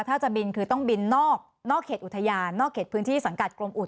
ถ้าจะบินคือต้องบินนอกเขตอุทยานนอกเขตพื้นที่สังกัดกรมอุด